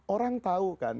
orang tahu kan